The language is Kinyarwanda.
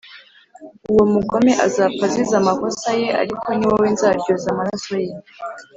uwo mugome azapfa azize amakosa ye, ariko ni wowe nzaryoza amaraso ye